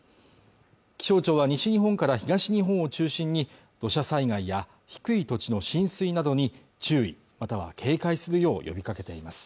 気象庁は西日本から東日本を中心に土砂災害や低い土地の浸水などに注意または警戒するよう呼びかけています